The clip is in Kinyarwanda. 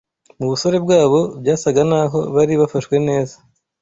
mu busore bwabo, byasaga n’aho bari bafashwe neza